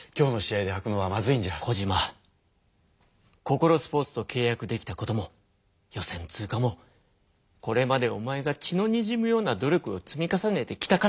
ココロスポーツとけい約できたことも予選通過もこれまでおまえが血のにじむような努力を積み重ねてきたからこそだ。